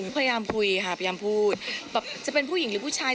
พยายามคุยค่ะพยายามพูดแบบจะเป็นผู้หญิงหรือผู้ชาย